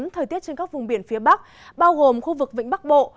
thời tiết trên các vùng biển phía bắc bao gồm khu vực vĩnh bắc bộ